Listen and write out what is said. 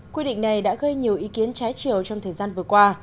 quy định này đã gây nhiều ý kiến trái chiều trong thời gian vừa qua